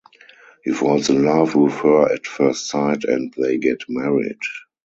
He falls in love with her at first sight and they get married.